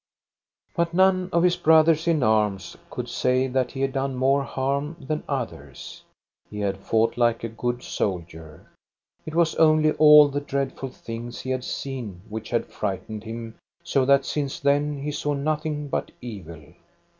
But none of his brothers in arms could say that he had done more harm than others. He had fought like a good soldier. It was only all the dreadful things he had seen which had frightened him so that since then he saw nothing but evil.